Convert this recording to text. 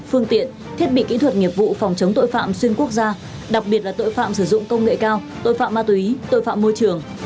phương tiện thiết bị kỹ thuật nghiệp vụ phòng chống tội phạm xuyên quốc gia đặc biệt là tội phạm sử dụng công nghệ cao tội phạm ma túy tội phạm môi trường